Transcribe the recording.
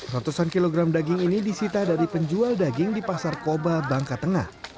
ratusan kilogram daging ini disita dari penjual daging di pasar koba bangka tengah